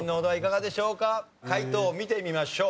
解答を見てみましょう。